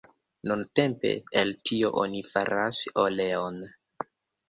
Nuntempe el tio oni faras oleon.